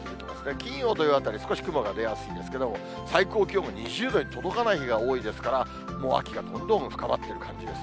金曜、土曜あたり、少し雲が出やすいですけれども、最高気温は２０度に届かない日が多いですから、もう秋がどんどん深まってる感じです。